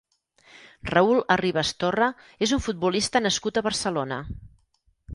Raúl Arribas Torre és un futbolista nascut a Barcelona.